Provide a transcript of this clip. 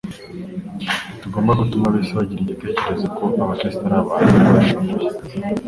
Ntitugomba gutuma ab’isi bagira igitekerezo ko AbaKristo ari abantu bashavuye,